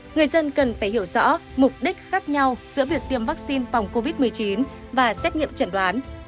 người dân cần phải hiểu rõ mục đích khác nhau giữa việc tiêm vaccine phòng covid một mươi chín và xét nghiệm chẩn đoán